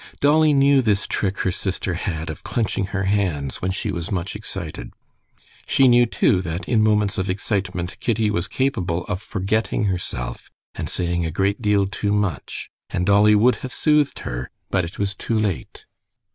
Dolly knew this trick her sister had of clenching her hands when she was much excited; she knew, too, that in moments of excitement Kitty was capable of forgetting herself and saying a great deal too much, and Dolly would have soothed her, but it was too late.